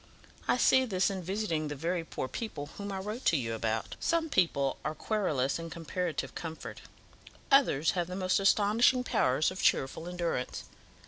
I see this in visiting the very poor people whom I wrote to you about. Some people are querulous in comparative comfort; others have the most astonishing powers of cheerful endurance.